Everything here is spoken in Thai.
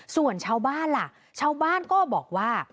ส่วนชาวบ้านล่ะชาวบ้านก็บอกว่า